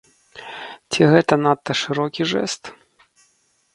Ці гэта надта шырокі жэст?